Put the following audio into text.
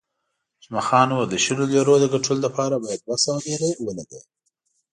جمعه خان وویل، د شلو لیرو د ګټلو لپاره باید دوه سوه لیرې ولګوې.